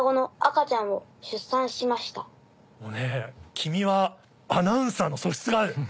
君はアナウンサーの素質がある！